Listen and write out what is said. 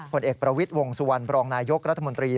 ผลเอกประวิทย์วงสุวรรณบรองนายกรัฐมนตรี